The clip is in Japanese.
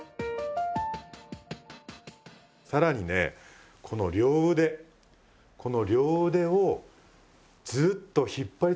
更にねこの両腕この両腕をずっと引っ張り続けてるんですよ